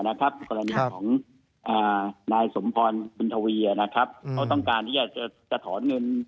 กรณีของนายสมพรบุญทวีเขาต้องการที่จะถอนเงิน